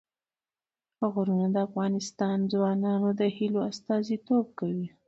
غرونه د افغان ځوانانو د هیلو استازیتوب کوي.